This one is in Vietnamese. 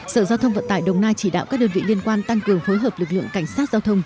sở giao thông vận tải đồng nai chỉ đạo các đơn vị liên quan tăng cường phối hợp lực lượng cảnh sát giao thông